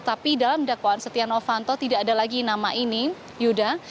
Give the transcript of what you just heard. tapi dalam dakwaan setia novanto tidak ada lagi nama ini yuda